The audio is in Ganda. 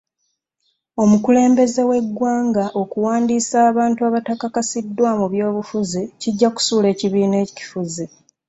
Omukulembeze w'eggwanga okuwandiisa abantu abatakakasiddwa mu by'obufuzi kijja kusuula ekibiina ekifuzi.